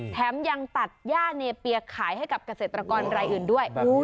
แถมยังตัดย่าเนเปียขายให้กับเกษตรกรรายอื่นด้วย